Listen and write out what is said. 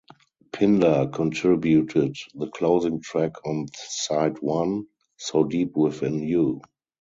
Pinder contributed the closing track on side one, "So Deep Within You".